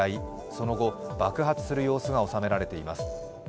その後、爆発する様子が収められています。